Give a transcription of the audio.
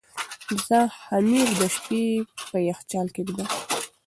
زه خمیر د شپې په یخچال کې ږدم.